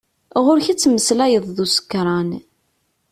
Ɣur-k ad tmeslayeḍ d usekṛan.